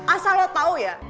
asal lo tau ya